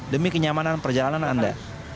demi kenyamanan perjalanan anda